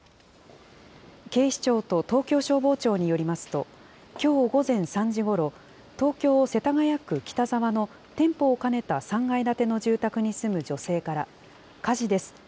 警視庁と東京消防庁によりますと、きょう午前３時ごろ、東京・世田谷区北沢の店舗を兼ねた３階建ての住宅に住む女性から、火事です。